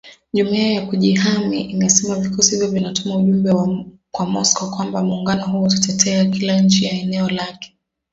Jumuiya ya Kujihami imesema vikosi hivyo vinatuma ujumbe kwa Moscow kwamba muungano huo utatetea kila nchi ya eneo lake.